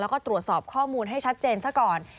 แล้วก็ตรวจสอบข้อมูลให้ชัดเจนซะก่อน